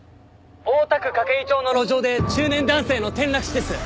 大田区筧町の路上で中年男性の転落死です。